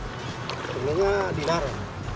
sebenarnya di naran